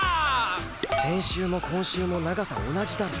先週も今週も長さ同じだろ。